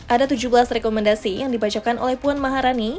ada tujuh belas rekomendasi yang dibacakan oleh puan maharani